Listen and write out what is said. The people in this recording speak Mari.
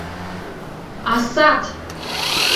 Асат!